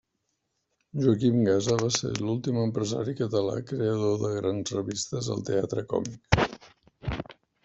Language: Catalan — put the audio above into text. Joaquim Gasa va ser l'últim empresari català creador de grans revistes al Teatre Còmic.